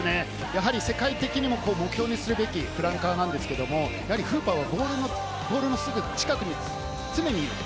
世界的にも目標にするべきフランカーなんですけれど、フーパーは、ボールのすぐ近くに常にいる。